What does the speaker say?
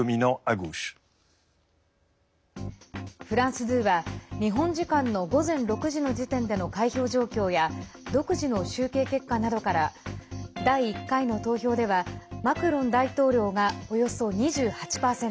フランス２は日本時間の午前６時の時点での開票状況や独自の集計結果などから第１回の投票ではマクロン大統領がおよそ２８％。